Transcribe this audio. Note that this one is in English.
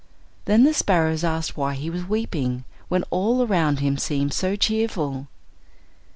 Then the sparrows asked why he was weeping, when all around him seemed so cheerful.